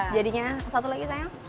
jadinya satu lagi sayang